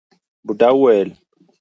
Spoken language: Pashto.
بوډا وويل: